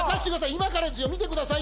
今からですよ見てくださいよ。